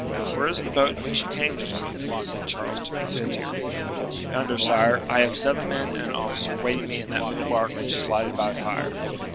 "Where is the boat in which you came, gentlemen?" said Charles to the musketeer. "Yonder, sire; I have seven men and an officer waiting me in that little bark which is lighted by a fire."